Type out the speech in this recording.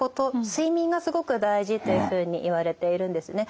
睡眠がすごく大事というふうにいわれているんですね。